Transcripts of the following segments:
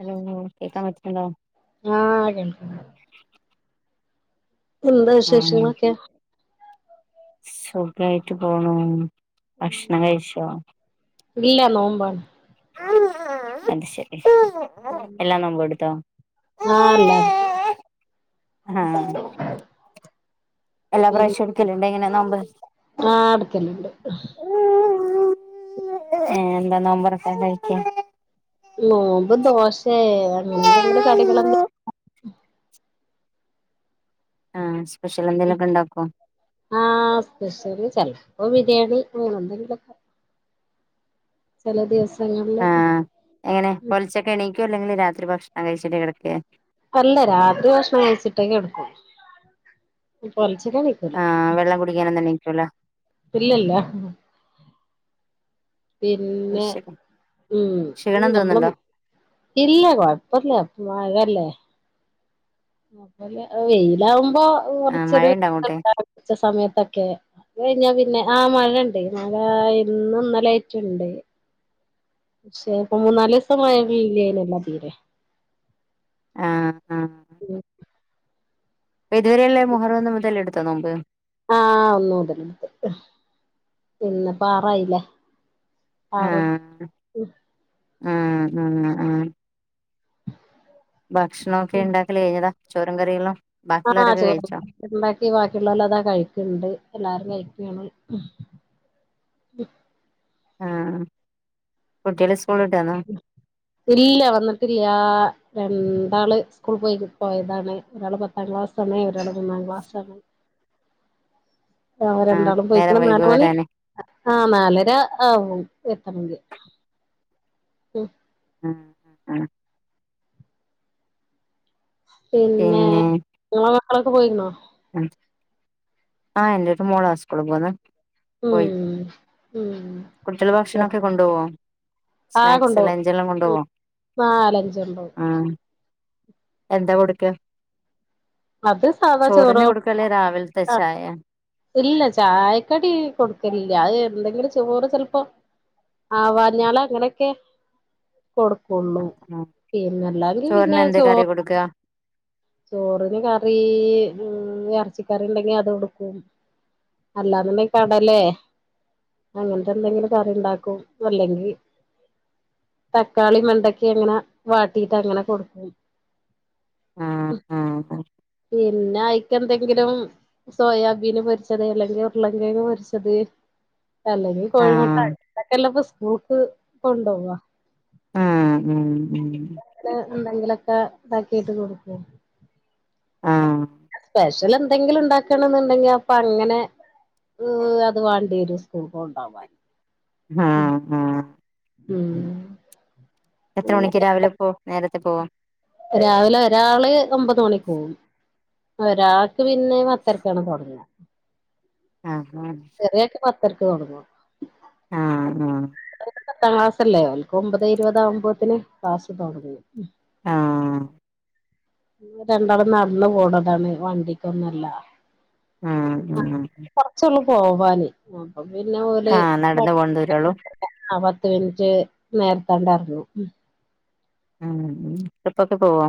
Hello കേക്കാൻ പറ്റുന്നുണ്ടോ ആ ആ കേൾക്കിണിണ്ട്. എന്താ ആഹ് വിശേഷങ്ങളൊക്കെ? സുഖായിട്ട് പോണൂ ഭക്ഷണം കഴിച്ചോ? ഇല്ല നോമ്പാണ്. അത് ശരി എല്ലാ നോമ്പും ഇട്ത്തോ? ആഹ് എല്ലാട്ത്. ആഹ് എല്ലാ പ്രാവശ്യോം ഇട്ക്കലിണ്ടോ ഇങ്ങനെനോമ്പ്? ആഹ് എടുക്കലുണ്ട് ഏ എന്താ നോമ്പറക്കാൻ കഴിക്കാ? നോമ്പ് ദോശേ അങ്ങനെന്തെങ്കിലും കടികളെന്തെ ആഹ് സ്പെഷ്യലെന്തേലൊക്കെ ഇണ്ടാക്കോ? ഒരു ചെലപ്പോ ബിര്യേണി അങ്ങനെന്തെങ്കിലൊക്കെ ചെല ദിവസ് ആഹ് എങ്ങനെ? പൊലിച്ചക്ക് എണീക്കോ അല്ലെങ്കി രാത്രി ഭക്ഷണം കഴിച്ചിട്ട് കിടക്കേ? അല്ല രാത്രി ഭക്ഷണം കഴിച്ചിട്ടേ കെടക്കും നിപൊലച്ച ചിടാൻ വൈക്കൂല്ല ആഹ് വെള്ളം കുടിക്കാനൊന്നും എണീക്കൂല ഇല്ലല്ല. അത് പിന്നെ ശരി ഉം ക്ഷീണം അ് തോന്നുന്നുണ്ടോ നമ്മളൊന്ന് ഇല്ല കൊഴപ്പല്ല മഴല്ലേ. അ വെയിലാവുമ്പോ ആ മഴയുണ്ടോ അങ്ങോട്ട് കുറച്ചൊരുച്ച സമയത്തൊക്കെ തഴിഞ്ഞാ പിന്നെ ആ മഴണ്ടേ മഴാ ഇന്നും ഇന്നലായ്റ്റുണ്ട്. ക്ഷെ പ്പൊ മൂന്നാലിവസത്തെ മഴ പെയ്യില്ലേലും മതീലേ? ആ ആ ഉം പ്പ ഇതുവരല്ലേ മുഹറം ഒന്ന് മുതല്ട്ത്ത നോമ്പ്. ആഹ് ഒന്ന് മുതല്ട്ത്തു. ഇന്നിപ്പാറായില്ലെ. ആറോട് ഉം ഉം ഉം ഉം ഭക്ഷണൊക്കെ ഇണ്ടാക്കല് കഴിഞ്ഞതാ ചോറും കറികളും. ആഹ് ബാക്കിയുള്ളവരൊക്കെ ചോറ് കഴിച്ചോ ഇണ്ടാക്കി. ബാക്കിയുള്ളോല്ലതാ കഴിക്കണ്ട് എല്ലാരും കഴിക്കാണ്. [unintelligible] ആഹ് കുട്ട്യാള് സ് ഇല്ല വന്നിട്ടില്ലാ. രണ്ടാള് സ്‌കൂളിപോയിക് പോയതാണ്. ഒരാള് പത്താം ക്ലാസാണ് ഒരാള് മൂന്നാം ക്ലാസ്സാണ്. [inaudible] അ രണ്ടാളും നേരം പോയിക്കണ് നാൽ വൈകോ മണി വരാന് ആഹ് നാലര ആവും എത്തണമെങ്കിൽ ഉം ആഹ് ആഹ് ആഹ് പിന്നെ ങ്ങളെ മക്കളൊക്കെ പോയിന്നോ ആഹ് ആഹ് എന്റൊരു മോളാ സ്കൂൾ പോന്നേ ഉം ഉം കുട്ടികള് ഭക്ഷണംക്കെ കൊണ്ടുപോവാ ആഹ് സ്നാക്സ്ല് കൊണ്ടോവും ലജ് എല്ലാം ഉം കൊണ്ടോവേ നാലഞ്ചുണ്ടാവും അ എന്താ കൊടുക്ക അത് സാധാ ചോറിന് ചോറും കൊടുക്കല്ലേ രാവിലത്തെ ആഹ് ചായ ഇല്ല ചായക്കടി കൊടുക്കലില്ല അത് എന്തെങ്കിലും ചോറ് ചെലപ്പോ ആ വഞ്ഞാളല് അങ്ങനെയൊക്കെ കൊടുക്കുള്ളൂ ആ പിന്നെ എല്ലാങ്കിൽ പിന്നെ ചോറിന് എന്താ ചോ കറി കൊടുക്കുക ചോറിന് കറി ഇറച്ചിക്കറി ഉണ്ടെങ്കി അത് കൊടുക്കും അല്ലാന്ന്ണ്ടങ്കി കടലേ അങ്ങനത്തെ എന്തെങ്കിലും കറിണ്ടാക്കും അല്ലെങ്കി തക്കാളി വേണ്ടാക്കേം ഇങ്ങനെ വാട്ടിട്ട് അങ്ങനെ കൊടുക്കും അഹ് അഹ് പിന്നെ ആയിക്ക് എന്തെങ്കിലും സോയാബീൻ പൊരിച്ചത് അല്ലെങ്കിൽ ഉരുള കിഴങ് പൊരിച്ചത് അല്ലെങ്കിൽ കോഴിമുട്ട ആഹ് അങ്ങനെക്കെല്ലപ്പോ സ്കൂൾക്ക് കൊണ്ടോവാ അഹ് ഉമ് ഉമ് ല എന്തെങ്കിലൊക്കെ ഇതാക്കിട്ട് കൊടുക്കും ആഹ് സ്പെഷ്യൽ എന്തെങ്കിലും ഉണ്ടാക്കണം എന്നുണ്ടെങ്കിൽ അപ്പൊ അങ്ങനെ [unintelligible] വണ്ടിന്ന് സ്കൂൾ കോണ്ടാവാൻ ആഹ് ആഹ് ഉമ് എത്ര മണിക്ക് രാവിലെ പോ നേരത്തെ പോവേ? രാവിലെ ഒരാള് ഒമ്പത് മണിക്ക് പോകവും ഒരാ ക്ക് പിന്നേ പത്തരക്കാണ് തുടങ്ങ. ആഹ്‌ അഹ് പത്തരക്ക് തുടങ്ങോ? ആആ പത്താം ക്ലാസ്സ്‌ ലേ ഓല്ക്ക് ഒമ്പതെ ഇരുപത ആകുമ്പോത്തിന് ക്ലാസ് തൊടങ്ങും ആ രണ്ടാളും നടന്ന് പോണതാണ് വണ്ടിക്കൊന്നും ല്ല ആഹ് ആഹ് പോവാന് അപ്പൊ പിന്നെ ഓല് ആഹ് നടന്ന് പോണ [unintelligible] ദൂരള്ളൂ ആഹ് പത്ത് മിനിറ്റ് നേർത്താണ്ട് എറങ്ങും ഉമ് ഉമ് ടിപ്പൊക്കെ പോവാ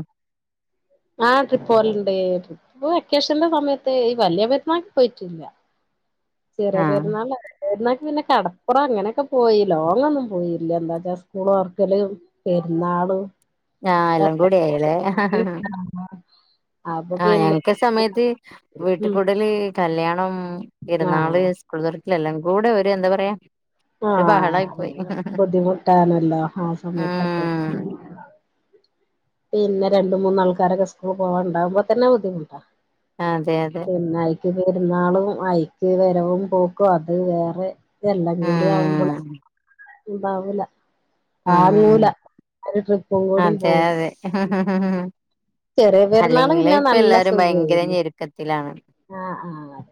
ആഹ് ട്രിപ്പ് പോലണ്ട് ട്രിപ്പ് വെക്കേഷന്റെ സമയത്ത് ഈ വല്ല്യ പെരുന്നാൾക്ക് പോയിട്ടില്ല ചെറിയ ആഹ് പെരുന്നാൾ വല്ല്യ പെരുനാക് പിന്നെ കടപ്പുറം അങ്ങനെയൊക്കെ പോയി ലോങ്ങൊന്നും പോയില്ല എന്താച്ചാ സ്കൂൾ തോർക്കൽ പെരുന്നാള് ആഹ് എല്ലാം കൂടി ആയില്ലേ [unintelligible] ആഹ് ഞങ്ങക്ക് ഈ സമയത്ത് വീട്ട് ഉം കൂടല് കല്യാണം പെരുന്നാൾ ആഹ് സ്കൂൾ തോരക്കൽ എല്ലാം കൂടെ ഒരു എന്താ പറയാ ഒരു ആഹ് ബഹളായി പോയി പിന്നെ ബുദ്ധിമുട്ടാണല്ലോ ആ സമയത്തൊക്കെ ഉം [inaudible] പിന്നെ രണ്ട മൂന്നാൾക്കാരൊക്കെ സ്കൂളിൽ പോവാൻണ്ടാവുമ്പോ തന്നെ ബുദ്ധിമുട്ടാ. അതെ അതെ പിന്നെ അയിക്ക് പെരുന്നാളും അഐക്ക് വരവും പോക്കും അത് വേറെ എല്ലാം കൂടി ആവുമ്പോള് ഉം ബാവൂല ഉം താങ്ങൂല. ഒരു ട്രിപ്പ്പും കൂടി അതെ പോകും. അതെ ചെറിയ പെരുന്നാള് അല്ലെങ്കില് പിന്നെ ഇപ്പൊ നല്ല എല്ലാരും ഭയങ്കര സുഖയില ഞെരുക്കത്തിലാണ് ആ ആഹ്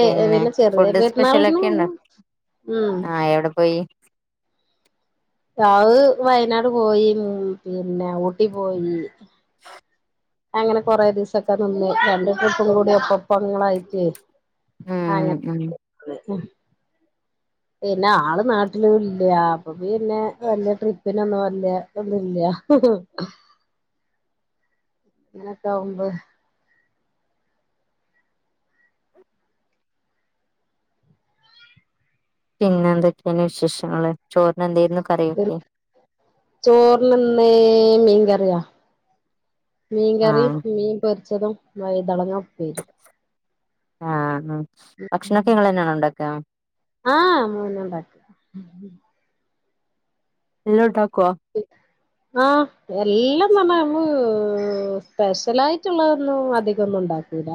പിന്നെ ചെറിയ ഫുഡ് പെരുന്നാളിന് സ്പെഷ്യലൊക്കെ ഉണ്ടോ? ഉം ആഹ് എവിടെ പോയി? താവ് വയനാട് പോയി. പിന്നെ ഊട്ടി പോയി. അങ്ങനെ കൊറെ ദിവസൊക്കെ നിന്ന് രണ്ട് ട്രിപ്പും കൂടി ഒപ്പപ്പങ്ങളായിക്കേ ആ ഉം അങ്ങന ഉം പിന്നെ ആള് നാട്ടില് ഇല്ല അപ്പൊ പിന്നെ വല്യ ട്രിപ്പിനൊന്നും വല്യ ഒന്നുംല്ല. ഉ ഉ [unintelligible] [inaudible] ഇങ്ങനെ ഒക്കെ ആകുമ്പോ പിന്നെ എന്തൊക്കെയാണ് വിശേഷങ്ങള് ചോറിന എന്തരുന്നു കറിയോക്കെ. ചോറിനിന്ന് മീൻകറിയാ. മീൻ കറിം ആഹ് മീൻ പൊരിച്ചതും വൈതനങ്ങ ഉപ്പേരും. ആഹ് ആഹ് ഭക്ഷണൊക്കെ നിങ്ങ തന്നെയണ ഉണ്ടാക്ക. ഉം എല്ലോണ്ടാക്കുവോ? ആഹ് എല്ലാം പറഞ്ഞ സ്പെഷ്യല ആായിട്ടുള്ളതൊന്നും അധികംൊന്നും ഉണ്ടാക്കൂല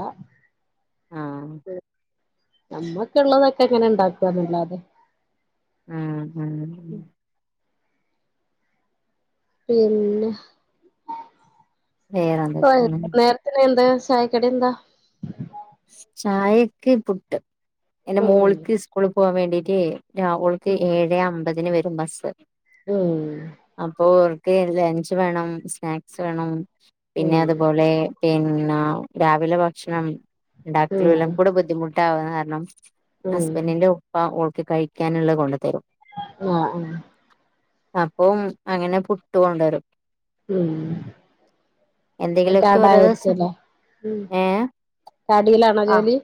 ആഹ നമ്മക്ക ഉള്ളതൊക്കെ എങ്ങനെ ഇണ്ടാക്കന്നല്ലാതെ ആ ആ പിന്നെ വേറെന്തൊക്കെയാണ് നേരത്തിന് എന്താ ചായ കടി എന്താ ചായക്ക് പുട്ട് എന്റെ ഉം മോളക്ക് സ്കൂളിൽ പോവാൻ വേണ്ടീട്ടേ ആ ഓൾക് ഏഴ് അമ്പതിന് വരും ബസ് ഉം അപ്പോൊ ക്കെ ലഞ്ച് വേണം സ്നാക്സ് വേണം പിന്നെ ഉം അതുപോലെ പിന്നെ രാവിലെ ഭക്ഷണം ഉണ്ടാക്കൽ ഉം വല്ലാം കൂടെ ബുദ്ധിമുട്ടാാവന്ന് കാരണം ഉം ഹസ്ബൻറിിന്റെ ഉപ്പ ഓൾക്ക് കഴിക്കാനുള്ളത് കൊണ്ടു തരും ആഹ ആഹ അപ്പം അങ്ങനെ പുട്ട് കൊൊണ്ടരും ഉ അ എന്തെങ്കിലുമൊക്കെ ഓരോ ദിവസം കടായിരിക്കല്ല ഉ ഏ കടിയിലാണോ ആ ജോലി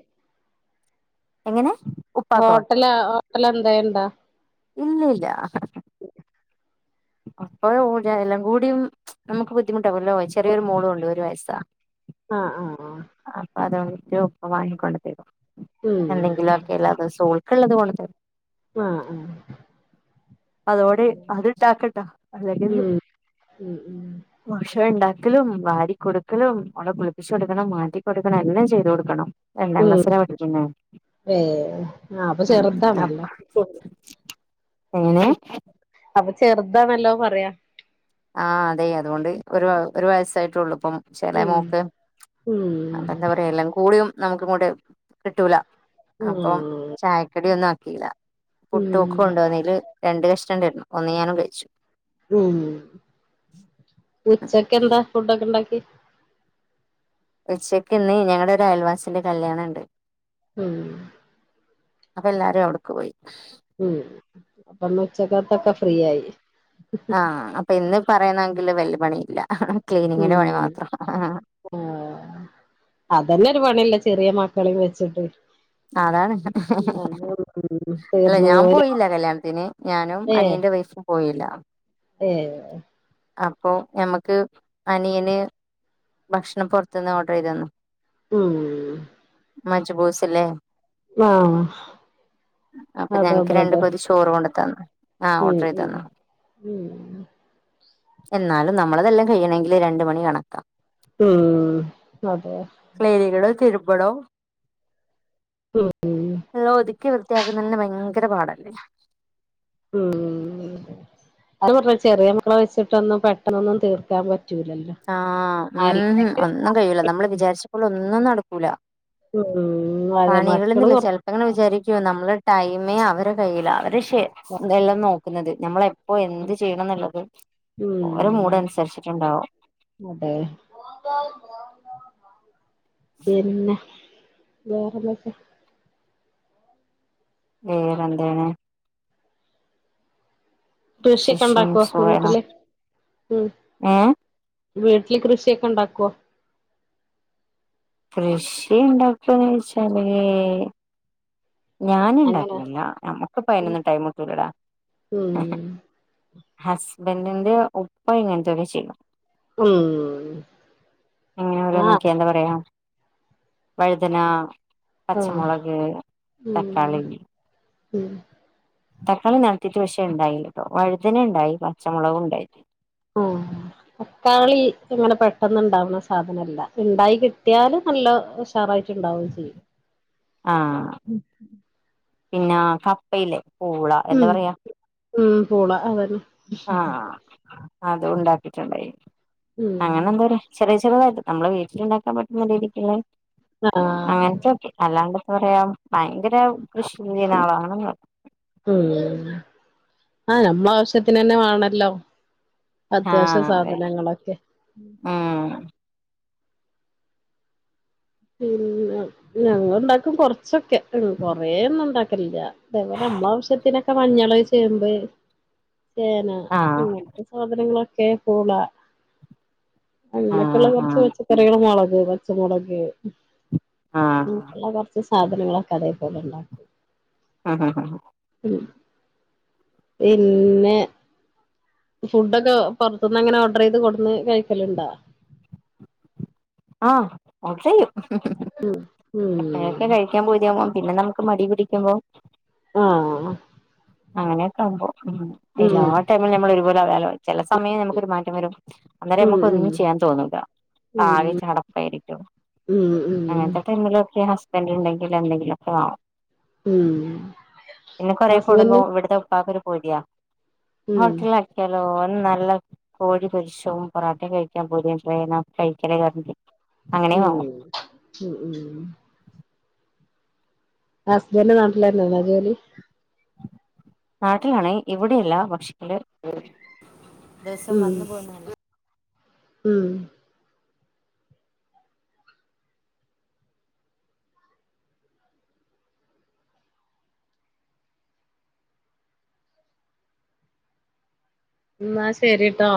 എങ്ങനെ ഉപ്പാക്കോ ഹോട്ടല ഹോട്ടൽ എന്തായണ്ടാ ഇല്ലല്ല അപ്പൊ എല്ലാം കൂടിയും നമുക്ക് ബുദ്ധിമുട്ടാാവല്ലോ ചെറിയൊരു മോളും ഉണ്ട് ഒരു വയസ് സ ആഹ ആഹ ആഹ അപ്പ അതുകൊണ്ടിട്ട് ഒപ്പ വാങ്ങിക്കൊണ്ടു തരും ഉം എന്തെങ്കിലുഒക്കെല്ല ഓൾക് ഉള്ളത് കൊണ്ടു തരും ആ ആ അ ഉം ഉം ഉണ്ടാക്കലും വാരി കൊടുക്കലും ഒഓള കുളിപ്പിച്ചു കൊടുക്കണം മാറ്റി കൊടുക്കണം എല്ലാം ചെയ്തു കൊടുക്കണം രണ്ടാം ക്ലാസ്സിലാ പഠിക്കുന്നേ ഏ ആഹ അപ്പൊ ചെറുതാണല്ലോ എങ്ങനെ അപ്പൊ ചെറുതാണല്ലോ പറയാ ആഹ അതെ അതുകൊണ്ട് ഒരു ഒരു വയസ്സായിട്ട ഉള്ളൂ അപ്പം ചില ഉം മോക്ക് ഉം അപ്പൊ എന്താ പറയാ എല്ലാം കൂടിയും നമുക്ക കൂടെ കിട്ടൂല അപ്പം ഉം ചായക്കടി ഒന്നും ആക്കില ഉം പുട്ടഒക്കെ കൊണ്ടോന്നല് രണ്ട് കഷ്ണം ഉണ്ടായിരുന്നു ഒന്ന് ഞാനും കഴിച്ചു ഉം ഉച്ചൊക്കെ എന്താ ഫുഡൊക്കെ ഉണ്ടാക്കി ഉച്ചക്ക് ഇന്നീ ഞങ്ങളടെ ഒരു അയൽവാസിന്റെ കല്യാണുണ്ട് [unintelligible] അപ്പൊ എല്ലാരും അവിടെക്ക് പോയി ഉം അപ്പമ്മ ആ അപ്പൊ ഇന്ന് പറയുന്നെങ്കില് വല്യ പണി ഇല്ല ഉം ക്ലീനിങ്ങിന്റെ ആ അതന്നെ ഒരു പണില്ല ചെറിയ മക്കളെം വെച്ചിട്ട് അതാണ് ഉം അല്ല തീർന്നു ഞാൻ പോവൂല പോയില്ല കല്യാണത്തിന് ഞാനും ഏ അനിയ- ന്റെ വൈഫ് പോയില്ല ഏ അപ്പോ ഞമുക്ക് അനിയന് ഭക്ഷണം പുറത്തന്ന് ഓർഡർ ചെയ്ത് തന്നു ഉം മജ്ബൂസ് ഇല്ലേ ആഹ് അപ്പൊ ഞങ്ങക്ക് അതോടെ രണ്ടു അതെ പൊതി ചോറ് കൊണ്ട ഉം ഉം എന്നാലും നമ്മളതെല്ലാം കഴിയണമെങ്കില് രണ്ട് മണി കണക്ക ഉം അതെ ഇവിടോ ഉം ചെത്തി വൃത്തിയാക്കുന്നതന്നെ ഭയങ്കര പാടല്ലേ ഉം അ പറയ ചെറിയ മക്കളെ വെച്ചിട്ടൊന്നും പെട്ടെന്നൊന്നും തീർക്കാൻ പറ്റ ആ ഉം ഒന്നും കഴൂല നമ്മൾ വിചാരിച്ചപ്പോൾ ഒന്നും നടക്കൂല ഉം അതെ മക്കള് പണികളൊന്നില്ല കൊറ ചിലപ്പോങ്ങനെ വിചാരിക്ക ക്കോ നമ്മള് ടൈമേ അവരെ കയ്യിലാ അവര് എന്തെല്ലാം നോക്കുന്നത് നമ്മളെ ഇപ്പൊ എന്ത് ചെയ്യണം എന്നുള്ളത് ഓരോ ഉം മൂട് അനുസരിച്ചിട്ടുണ്ടാവും അതെ പിന്നെ വേറെന്തൊക്കെയാ വേറെ എന്താണ് കൃഷിയക്കെ ശിഷം ഉണ്ടാക്കുവോ സുഖണോ വീട്ടില് ഉം ഏ വീട്ടില് കൃഷിയൊക്കെ ഉണ്ടാക്കുവോ കൃഷി ഉണ്ടാക്കന്ന് വച്ചാല് ഞാൻ അങ്ങനെ ഉണ്ടാക്കണില്ല നമ്മുക്കിപ്പ അയനൊന്നും ടൈമ് കിട്ടുലടാ ഉം ഹസ്ബൻഡിന്റെ ഉപ്പ ഇങ്ങനെത്തെയെക്കെ ചെയ്യും ഉം ഇങ്ങനെ ആഹ് ഓരോനൊക്ക എന്താ പറയാ വഴുതന ആഹ് പച്ചമുളക് ഉം തക്കാളി ഉം തക്കാളി നടത്തിയിട്ട് പക്ഷേ ഉണ്ടായില്ല കേട്ടോ വഴുതന ഉണ്ടായി പച്ചമുളകും ഉണ്ടായി ഓ തക്കാളി ഇങ്ങനെ പെട്ടന്ന് ഉണ്ടാവുന്ന സാധനല്ല ഉണ്ടായി കിട്ടിയാല് നല്ല ഉഷാറായി ഉണ്ടാവകയും ചെയ്യും ആ പിന്നെ കപ്പയില്ലേ പൂള എന്താ ഉം പറയാ ഉം പൂള അത് തന്നെ ആ അത് ഉണ്ടാക്കിട്ടുണ്ടായി ഉം അങ്ങനെ എന്താ ചെറിയ ചെറുതായിട്ട് നമ്മളെ വീട്ടില് ഉണ്ടാക്കാൻ പറ്റുന്ന രിതിക്കുള്ള ആഹ് അങ്ങനത്തെൊക്കെ അല്ലാണ്ട് ഇപ് പറയാം ഭയങ്കര കൃഷി ചെയ്യുന്നാളാണ്ന്ന് ഉം ആഹ് നമ്മ ആവശ്യത്തിന്ന് തന്നെ വേണല്ലോ അത്യാവശ്യ ആഹ് അതെ സാധനങ്ങളൊക്കെ ഉം പിന്നെ ഞങ്ങള് ഉണ്ടാക്കും കൊറച്ചൊക്കെ കൊറേയൊന്നും ഉണ്ടാക്കലില്ല അതേപോലെ അമ്മളെ ആവശ്യത്തിനൊക്കെ മഞ്ഞള് ചേമ്പ് ചേന ആഹ് അങ്ങനത്തെ സാധനങ്ങളൊക്കെ പൂള അങ്ങനെയൊക്കെയ ഉള്ള ആഹ് കുറച്ച് പച്ചക്കറികൾ മുളക് പച്ചമുളക് നമ്മുക്കുള്ള കുറച്ച് സാധനങ്ങളൊക്കെ അതേപോലെ ഉണ്ടാക്കും ആഹാഹാഹാ പിന്നെ ഫുഡൊക്കെ പൊറത്ത്ന്നങ്ങനെ ഓർഡർ ചെയ്ത് കൊടുന്ന് കഴിക്കല്ണ്ടാ ആ ഓർ ചെയ്യും ഹ് ഹ് ഹ് ഹ് ഹ് ഉം എപ്പഴൊക്കെ കഴിക്കാൻ പൂതിയാക പിന്നെ നമുക്ക് മടി പിടിക്കുമ്പോ ആ.. അങ്ങനെയൊക്കെ ആവുമ്പോ മ് എല്ലാ ടൈമിലും നമ്മളൊരുപോലെ [unintelligible] ചില സമയം നമുക്കൊരു മാറ്റം വരും. അന്നേരം ഉം ഉം നമുക്കൊന്നും ചെയ്യാൻ തോന്നൂല. ആകെ ഉം ചടപ്പായിരിക്കും. ഉം ഉം അങ്ങൻത്തെ ടൈമിലൊക്കെ ഹസ് [unintelligible] എന്തെങ്കിലൊക്കെ വേണം മ് [unintelligible] ഇവിടത്തെ ഉപ്പാക്കൊരു പൂതിയാ. ഉം ഹോട്ടലാക്കിയാലോ നല്ല കോഴി പൊരിശവും പൊറാട്ടിം കഴിക്കാൻ പൂതിയ [unintelligible] [unintelligible] [unintelligible] ഇമ് മ് മ് ഹസ്ബൻഡ് നാട്ടിലന്നെയല്ലെ ജോലി? നാട്ടിലാണ് ഇവിടെയല്ല പക്ഷെങ്കില് ദിവസം ഉം വന്ന് പോവുന്ന അല്ലെ ഉം ന്നാ ശെരിട്ടോ